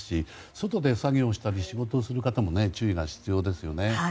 外で作業したり仕事をする方も注意が必要ですよね。